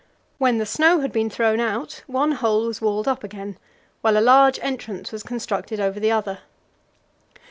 When the snow had been thrown out, one hole was walled up again, while a large entrance was constructed over the other.